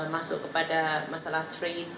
masuk kepada masalah trade